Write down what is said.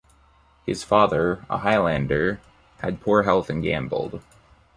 His father, a Highlander, had poor health and gambled.